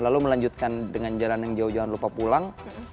lalu melanjutkan dengan jalan yang jauh jauh lupa pulang